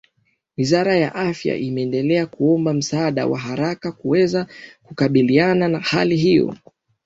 wizara ya afya imeendelea kuomba msaada wa haraka kuweza kukabiliana na hali hiyo